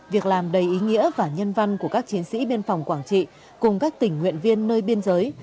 việc làm đầy ý nghĩa và nhân văn của các chiến sĩ biên phòng quảng trị cùng các tỉnh nguyện viên nơi biên giới